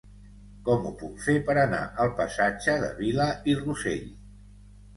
Com ho puc fer per anar al passatge de Vila i Rosell?